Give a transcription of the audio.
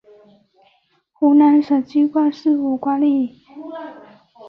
湖南省机关事务管理局是湖南省人民政府管理省直机关事务工作的省直属机构。